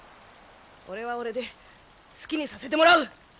俺は俺で好きにさせてもらう！